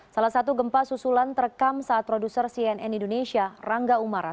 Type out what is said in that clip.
salah satu gempa susulan terekam saat produser cnn indonesia rangga umara